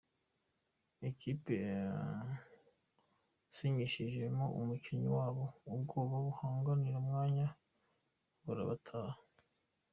Ikipe yasinyishijeumukinnyi ubwoba kubo bahanganira umwanya burabataha